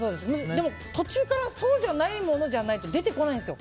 途中からそうじゃないものじゃないと出てこないんですよ。